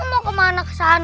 kalau namanya saya ke kanan